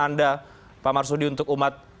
anda pak marsudi untuk umat